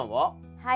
はい。